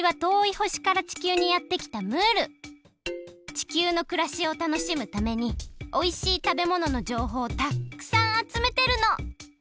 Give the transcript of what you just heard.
地球のくらしをたのしむためにおいしいたべもののじょうほうをたくさんあつめてるの！